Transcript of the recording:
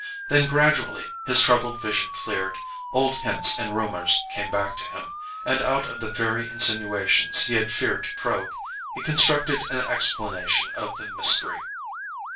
Then, gradually, his troubled vision cleared, old hints and rumours came back to him, and out of the very insinuations he had feared to probe, he constructed an explanation of the mystery.